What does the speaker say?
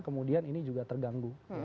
kemudian ini juga terganggu